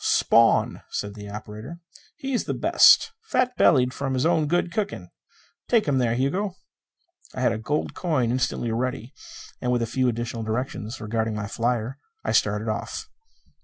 "Spawn," said the operator. "He is the best. Fat bellied from his own good cooking. Take him there, Hugo." I had a gold coin instantly ready; and with a few additional directions regarding my flyer, I started off.